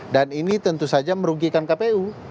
dan ini tentu saja merugikan kpu